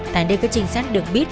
tại đây các chính sách được biết